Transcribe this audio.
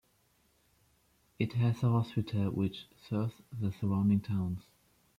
It has a hospital, which serves the surrounding towns.